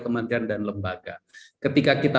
kementerian dan lembaga ketika kita